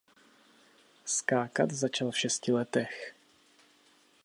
Skákat začal v šesti letech.